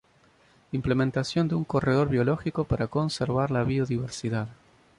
Implementación de un corredor biológico para conservar la biodiversidad.